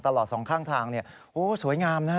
ตลอด๒ข้างทางโหสวยงามนะ